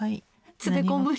詰め込む日？